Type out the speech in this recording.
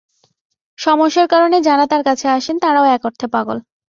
সমস্যার কারণে যাঁরা তাঁর কাছে আসেন তাঁরাও এক অর্থে পাগল।